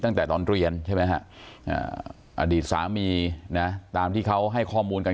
ตั้งแต่ตอนเรียนใช่ไหมฮะอดีตสามีนะตามที่เขาให้ข้อมูลกัน